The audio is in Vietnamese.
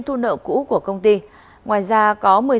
từ lúc đó đến bây giờ